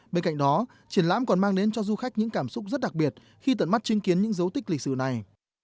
bên cạnh đó triển lãm còn mang đến cho du khách những cảm xúc rất đặc biệt khi tận mắt chứng kiến những dấu tích lịch sử này